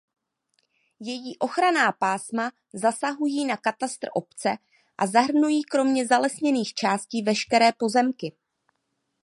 Její ochranná pásma zasahují na katastr obce a zahrnují kromě zalesněných částí veškeré pozemky.